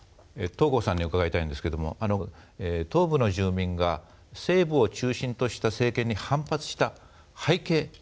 東郷さんに伺いたいんですけども東部の住民が西部を中心とした政権に反発した背景